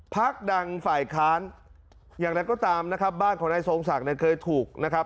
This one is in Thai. พักดังฝ่าขาลอย่างนั้นก็ตามนะครับบ้านของนายทรงศักดิ์เคยถูก